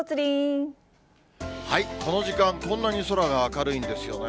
この時間、こんなに空が明るいんですよね。